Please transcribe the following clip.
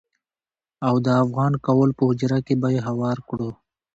او د افغان کهول په حجره کې به يې هوار کړو.